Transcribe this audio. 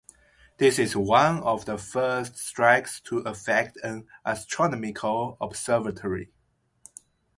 This is one of the first strikes to affect an astronomical observatory.